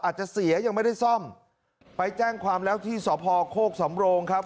เสียยังไม่ได้ซ่อมไปแจ้งความแล้วที่สพโคกสำโรงครับ